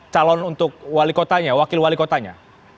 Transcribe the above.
calon untuk wakil wali kotanya